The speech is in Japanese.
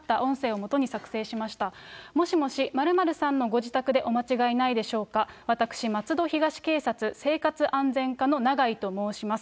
もしもし、○○さんのご自宅でお間違いないでしょうか、私、松戸東警察生活安全課のナガイと申します。